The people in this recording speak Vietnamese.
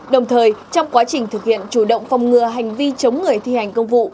đồng thời trong quá trình thực hiện chủ động phòng ngừa hành vi chống người thi hành công vụ